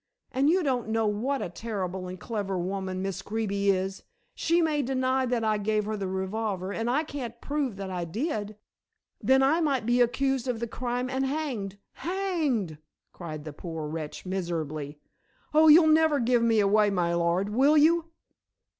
And you don't know what a terrible and clever woman Miss Greeby is. She may deny that I gave her the revolver and I can't prove that I did. Then I might be accused of the crime and hanged. Hanged!" cried the poor wretch miserably. "Oh, you'll never give me away, my lord, will you."